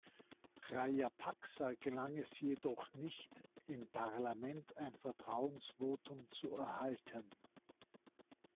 Rajapaksa gelang es jedoch nicht, im Parlament ein Vertrauensvotum zu erhalten.